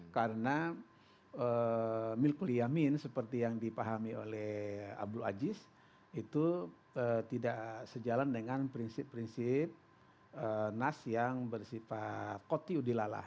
karena milkuliyamin seperti yang dipahami oleh abdul aziz itu tidak sejalan dengan prinsip prinsip nas yang bersifat kotiudilalah